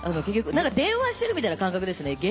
電話してるみたいな感覚ですね